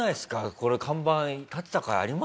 これ看板立てたかいありますよね。